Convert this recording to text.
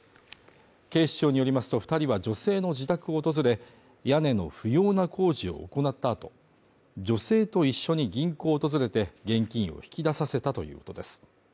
警視庁によりますと二人は女性の自宅を訪れ屋根の不要な工事を行ったあと女性と一緒に銀行を訪れて現金を引き出させたということです